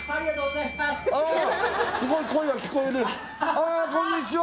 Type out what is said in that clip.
あこんにちは